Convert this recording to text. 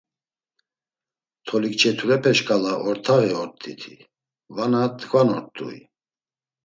Tolikçeturepe şǩala ort̆aği ort̆iti vana t̆ǩvanort̆ui?